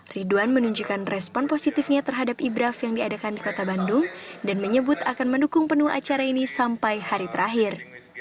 ridwan menunjukkan respon positifnya terhadap ibraf yang diadakan di kota bandung dan menyebut akan mendukung penuh acara ini sampai hari terakhir